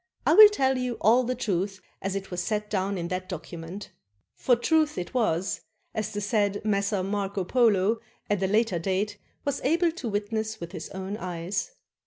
I will tell you all the truth as it was set down in that docu ment. For truth it was, as the said Messer Marco Polo at a later date was able to witness with his own eyes.